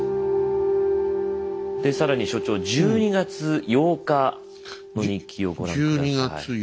で更に所長１２月８日の日記をご覧下さい。